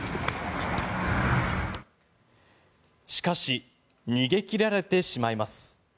しかし逃げ切られてしまいます。